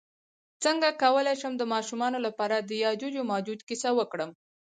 څنګه کولی شم د ماشومانو لپاره د یاجوج ماجوج کیسه وکړم